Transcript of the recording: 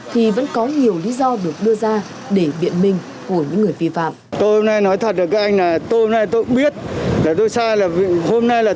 thì vẫn có nhiều lý do được đưa ra để biện minh của những người vi phạm